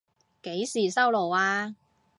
幾時收爐啊？